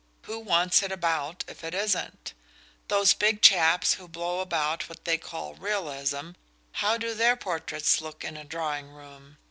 Who wants it about if it isn't? Those big chaps who blow about what they call realism how do THEIR portraits look in a drawing room?